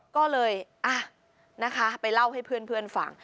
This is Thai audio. ก็เลยอ่ะนะคะไปเล่าให้เพื่อนฟัง